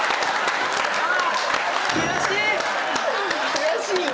悔しいよ！